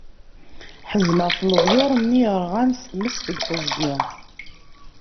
Ḥezneɣ ɣef leḍyur-nni yerɣan s tmes deg teẓgi.